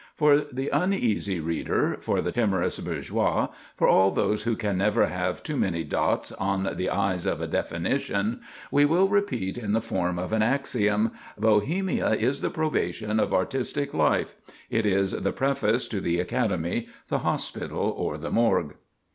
For the uneasy reader, for the timorous bourgeois, for all those who can never have too many dots on the i's of a definition, we will repeat in the form of an axiom: Bohemia is the probation of artistic life; it is the preface to the academy, the hospital, or the morgue."